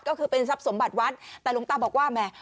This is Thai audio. ก็คือเป็นทรัพย์สมบัติวัดแต่หลวงตาบอกว่าแหม